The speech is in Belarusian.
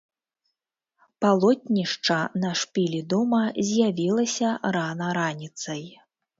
Палотнішча на шпілі дома з'явілася рана раніцай.